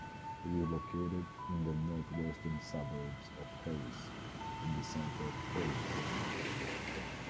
It is located in the north-western suburbs of Paris, from the centre of Paris.